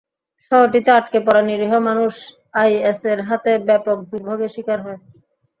শহরটিতে আটকে পড়া নিরীহ মানুষ আইএসের হাতে ব্যাপক দুর্ভোগের শিকার হয়।